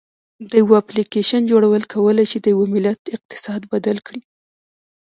د یو اپلیکیشن جوړول کولی شي د یو ملت اقتصاد بدل کړي.